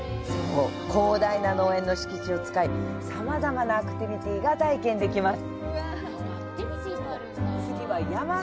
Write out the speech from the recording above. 広大な農園の敷地を使いさまざまなアクティビティが体験できます。